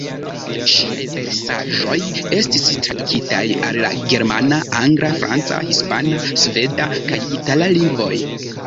Ŝiaj versaĵoj estis tradukitaj al la germana, angla, franca, hispana, sveda kaj itala lingvoj.